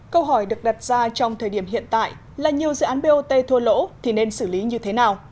câu hỏi được đặt ra trong thời điểm hiện tại là nhiều dự án bot thua lỗ thì nên xử lý như thế nào